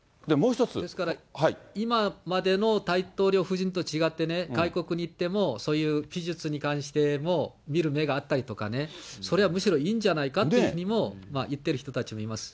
ですから、今までの大統領夫人と違ってね、外国に行ってもそういう美術に関しても見る目があったりとかね、それはむしろいいんじゃないかなって言ってる人たちもいます。